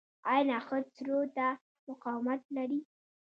آیا نخود سړو ته مقاومت لري؟